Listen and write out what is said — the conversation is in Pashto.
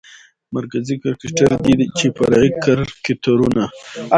مرکزي کرکتر دى چې فرعي کرکترونه